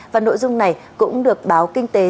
và nội dung này cũng được báo kinh tế